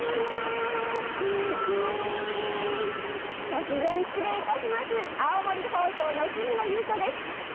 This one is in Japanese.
突然失礼いたします、青森放送の筋野裕子です。